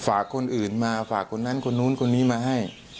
ฝากคนอื่นมาฝากคนนั้นคนนู้นคนนี้มาให้